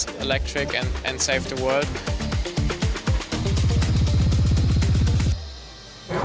yang lebih elektrik dan selamat untuk selamatkan dunia